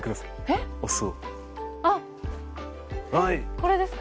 これですか？